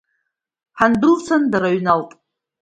Ҳандәылцаны дара ҩналт.